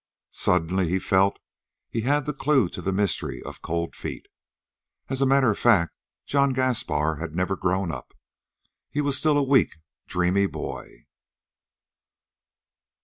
Suddenly he felt that he had the clue to the mystery of Cold Feet. As a matter of fact John Gaspar had never grown up. He was still a weak, dreamy boy.